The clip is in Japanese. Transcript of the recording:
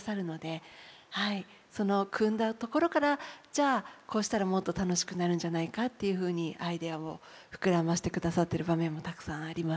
そのくんだところからじゃあこうしたらもっと楽しくなるんじゃないかというふうにアイデアを膨らませてくださってる場面もたくさんあります。